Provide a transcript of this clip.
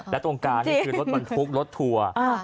และตรงกลางนี่คือรถบรรทุกรถทัวร์